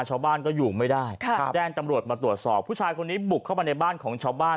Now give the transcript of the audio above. ชาวบ้านก็อยู่ไม่ได้แจ้งตำรวจมาตรวจสอบผู้ชายคนนี้บุกเข้ามาในบ้านของชาวบ้าน